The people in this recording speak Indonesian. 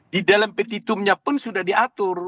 di dalam petitumnya pun sudah diatur